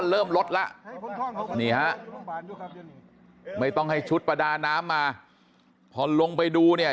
เริ่มลดแล้วนี่ฮะไม่ต้องให้ชุดประดาน้ำมาพอลงไปดูเนี่ย